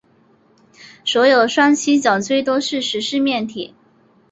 所有双七角锥都是十四面体。